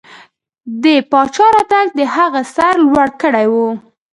د پاچا راتګ د هغه سر لوړ کړی و.